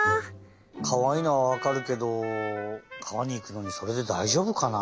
かわいいのはわかるけど川にいくのにそれでだいじょうぶかな？